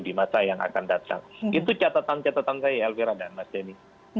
itu catatan catatan saya ya elvira dan mas denny